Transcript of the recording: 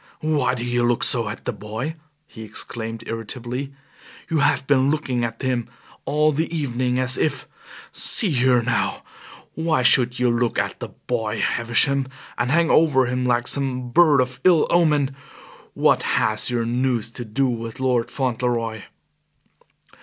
"Why do you look so at the boy!" he exclaimed irritably. "You have been looking at him all the evening as if See here now, why should you look at the boy, Havisham, and hang over him like some bird of ill omen! What has your news to do with Lord Fauntleroy?"